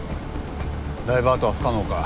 ダイバートは不可能か。